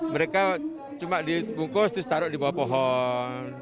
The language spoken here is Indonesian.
mereka cuma dibungkus terus taruh di bawah pohon